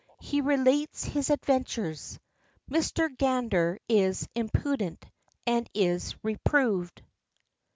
HE RELATES HIS ADVENTURES. MR. GANDER IS IMPUDENT, AND IS REPROVED.